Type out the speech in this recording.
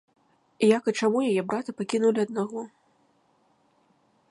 Як і чаму яе брата пакінулі аднаго?